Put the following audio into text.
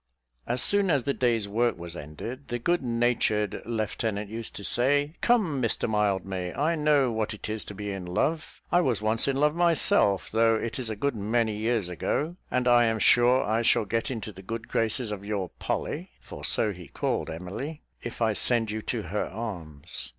As soon as the day's work was ended, the good natured lieutenant used to say, "Come, Mr Mildmay, I know what it is to be in love; I was once in love myself, though it is a good many years ago, and I am sure I shall get into the good graces of your Polly (for so he called Emily) if I send you to her arms.